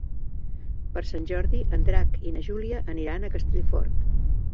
Per Sant Jordi en Drac i na Júlia aniran a Castellfort.